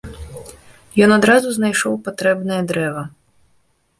Ён адразу знайшоў патрэбнае дрэва.